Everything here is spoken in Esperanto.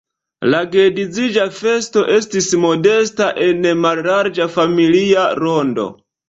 La geedziĝa festo estis modesta en mallarĝa familia rondo.